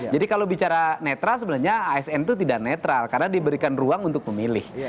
jadi kalau bicara netral sebenarnya asn itu tidak netral karena diberikan ruang untuk memilih